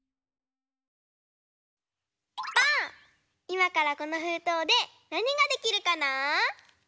いまからこのふうとうでなにができるかな？